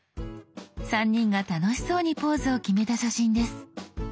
３人が楽しそうにポーズを決めた写真です。